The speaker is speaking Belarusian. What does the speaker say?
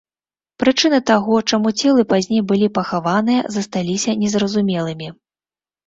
Прычыны таго, чаму целы пазней былі пахаваныя, засталіся незразумелымі.